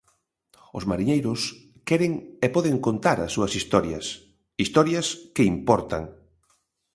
Os mariñeiros queren e poden contar as súas historias, historias que importan.